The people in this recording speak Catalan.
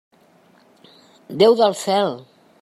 Déu del cel!